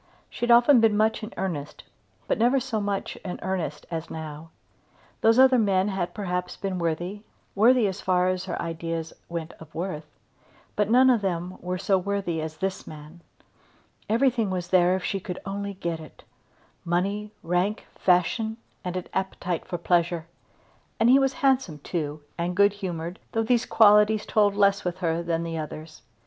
She had often been much in earnest but never so much in earnest as now. Those other men had perhaps been worthy, worthy as far as her ideas went of worth, but none of them so worthy as this man. Everything was there if she could only get it; money, rank, fashion, and an appetite for pleasure. And he was handsome too, and good humoured, though these qualities told less with her than the others.